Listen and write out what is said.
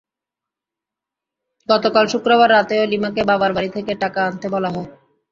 গতকাল শুক্রবার রাতেও লিমাকে বাবার বাড়ি থেকে টাকা আনতে বলা হয়।